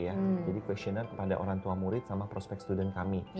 ya jadi questionnai kepada orang tua murid sama prospek student kami